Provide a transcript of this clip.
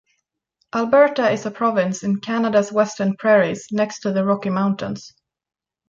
Alberta is a province in Canada's western prairies next to the Rocky Mountains.